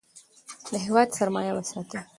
د هیواد سرمایه وساتئ.